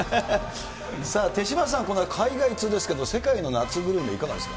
さあ、手嶋さん、海外通ですけど、世界の夏グルメ、いかがですか？